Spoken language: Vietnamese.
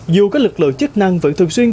dù các lực lượng chức năng vẫn thường xuyên